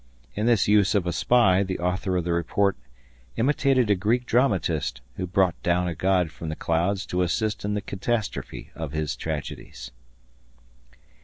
In this use of a spy, the author of the report imitated a Greek dramatist who brought down a god from the clouds to assist in the catastrophe of his tragedies.